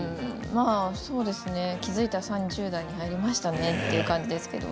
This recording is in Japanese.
気付いたら３０代になりましたねという感じですけれど。